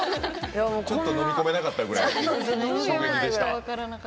ちょっとのみ込めなかったくらい衝撃でした？